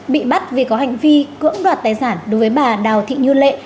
bị bắt vì có hành vi cưỡng đoạt tài sản đối với bà đào thị như lệ